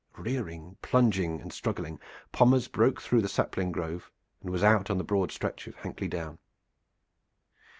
Rearing, plunging and struggling, Pommers broke through the sapling grove and was out on the broad stretch of Hankley Down.